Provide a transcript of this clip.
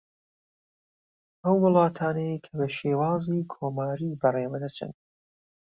ئەو وڵاتانەی کە بە شێوازی کۆماری بە ڕێوە دەچن